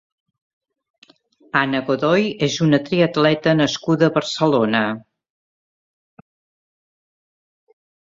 Anna Godoy és una triatleta nascuda a Barcelona.